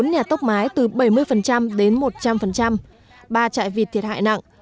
bốn nhà tốc mái từ bảy mươi đến một trăm linh ba trại vịt thiệt hại nặng